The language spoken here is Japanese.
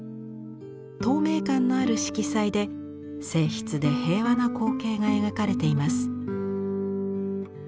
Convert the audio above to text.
透明感のある色彩で静謐で平和な光景が描かれています。